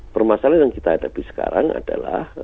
permasalahan yang kita hadapi sekarang adalah